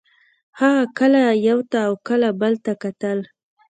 هغه کله یو ته او کله بل ته کتل